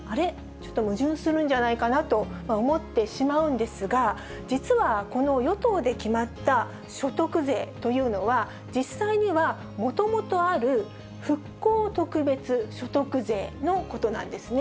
ちょっと矛盾するんじゃないかなと思ってしまうんですが、実は、この与党で決まった所得税というのは、実際には、もともとある復興特別所得税のことなんですね。